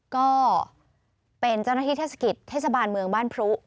ก็เป็นเจ้าหน้าที่เทศกิจเทศบาลเมืองบ้านพรุ